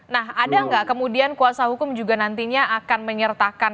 nah ada nggak kemudian kuasa hukum juga nantinya akan menyertakan